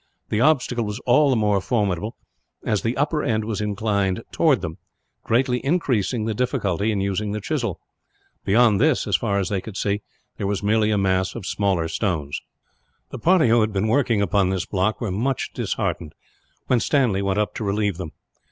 The obstacle was all the more formidable, as the upper end was inclined towards them, greatly increasing the difficulty in using the chisel. Beyond this, as far as they could see, there was merely a mass of smaller stones. The party who had been working upon this block were much disheartened, when Stanley went up to relieve them.